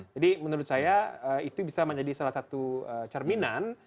jadi menurut saya itu bisa menjadi salah satu cerminan